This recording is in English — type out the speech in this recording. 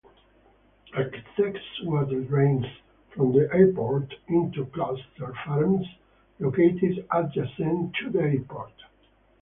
Excess water drains from the Airport onto Closter Farms, located adjacent to the airport.